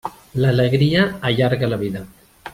L'alegria allarga la vida.